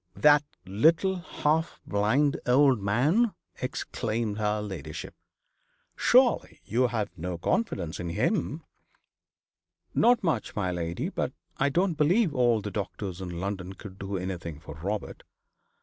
'That little half blind old man!' exclaimed her ladyship. 'Surely you have no confidence in him?' 'Not much, my lady. But I don't believe all the doctors in London could do anything for Robert.